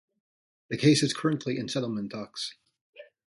The case is currently in settlement talks.